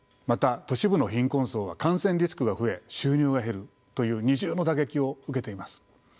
また都市部の貧困層は感染リスクが増え収入が減るという二重の打撃を受けています。